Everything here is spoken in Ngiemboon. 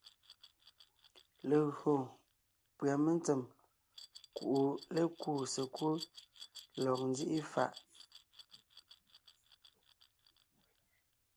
Legÿo pʉ́a mentsèm kuʼu lékúu sekúd lɔg nzíʼi fàʼ,